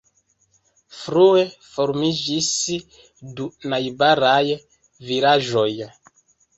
Frue formiĝis du najbaraj vilaĝoj.